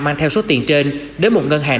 mang theo số tiền trên đến một ngân hàng